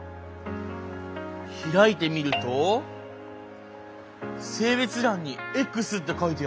開いてみると性別欄に「Ｘ」って書いてある！